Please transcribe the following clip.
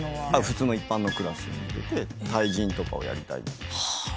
普通の一般のクラスに出て対人とかをやりたい。